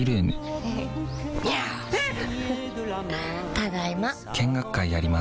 ただいま。